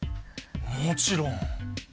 もちろん！